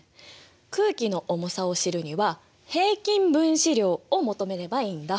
空気の重さを知るには平均分子量を求めればいいんだ。